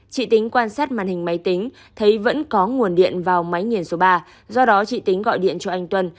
chị tính quan sát màn hình máy tính thấy vẫn có nguồn điện vào máy nghiền số ba do đó chị tính gọi điện cho anh tuân